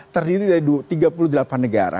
terdiri dari tiga puluh delapan negara